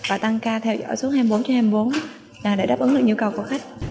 và tăng ca theo dõi suốt hai mươi bốn h hai mươi bốn h để đáp ứng được nhu cầu của khách